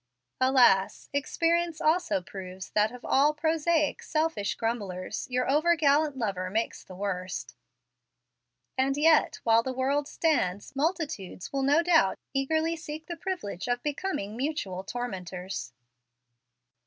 Alas! experience also proves that, of all prosaic, selfish grumblers, your over gallant lover makes the worst. And yet, while the world stands, multitudes will no doubt eagerly seek the privilege of becoming mutual tormentors.